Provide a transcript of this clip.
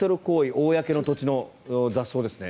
公の土地の雑草ですね